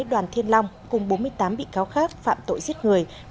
đoàn thiên long cùng bốn mươi tám bị cáo khác phạm tội giết người